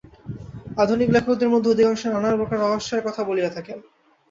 আধুনিক লেখকদের মধ্যে অধিকাংশই নানা প্রকার রহস্যের কথা বলিয়া থাকেন।